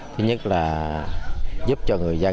thứ nhất là giúp cho người dân